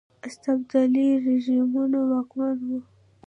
استبدادي رژیمونه واکمن وو.